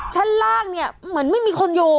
ชั้นล่างเนี่ยเหมือนไม่มีคนอยู่